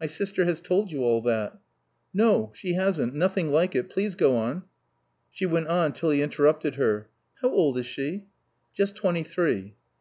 "My sister has told you all that." "No, she hasn't. Nothing like it. Please go on." She went on till he interrupted her. "How old is she?" "Just twenty three."